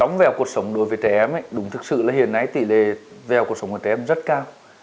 trong vẹo cuộc sống đối với trẻ em đúng thực sự là hiện nay tỷ lệ vẹo cuộc sống của trẻ em rất cao